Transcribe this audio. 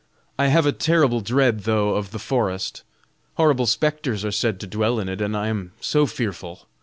I have a terrible dread though of the forest. Horrible spectres are said to dwell in it, and I am so fearful.